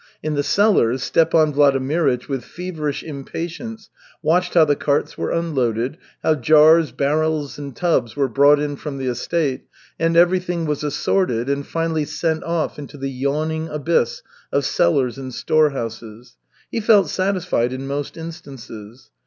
In the cellars Stepan Vladimirych with feverish impatience watched how the carts were unloaded, how jars, barrels and tubs were brought in from the estate, and everything was assorted and finally sent off into the yawning abyss of cellars and storehouses. He felt satisfied in most instances.